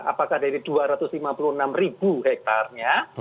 apakah dari dua ratus lima puluh enam ribu hektarnya